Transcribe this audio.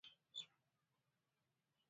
جانداد د ښکلو اخلاقو رڼا خپروي.